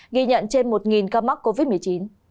ghi nhận trên một ca mắc covid một mươi chín